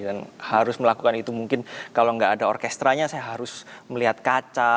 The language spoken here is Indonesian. dan harus melakukan itu mungkin kalau tidak ada orkestranya saya harus melihat kaca